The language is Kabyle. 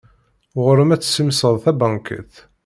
Ɣur-m ad tessimseḍ tabankiṭ.